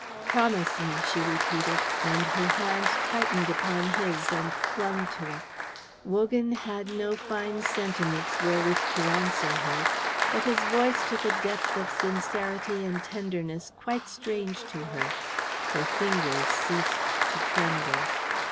"Promise me," she repeated, and her hand tightened upon his and clung to it. Wogan had no fine sentiments wherewith to answer her; but his voice took a depth of sincerity and tenderness quite strange to her. Her fingers ceased to tremble.